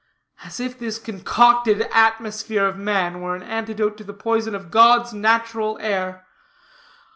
as if this concocted atmosphere of man were an antidote to the poison of God's natural air.